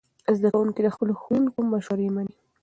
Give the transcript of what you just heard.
زده کوونکي د خپلو ښوونکو مشورې مني.